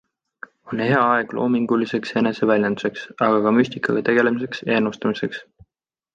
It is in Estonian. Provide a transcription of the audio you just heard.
On hea aeg loominguliseks eneseväljenduseks, aga ka müstikaga tegelemiseks ja ennustamiseks.